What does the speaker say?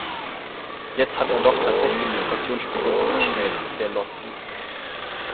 Jetzt hat er doch tatsächlich die Portion Spaghetti verschmäht, der Lotzi.